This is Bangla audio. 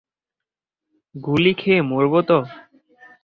গুলি খেয়ে মরবো তো।